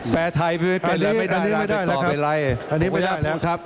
แปลไทยเป็นหรือไม่ได้อันนี้ไม่ได้แล้วครับอันนี้ไม่ได้แล้วครับครับ